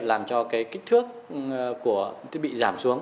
làm cho kích thước của thiết bị giảm xuống